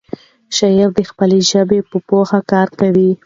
شاعر د خپلې ژبې په پوهه کار کوي.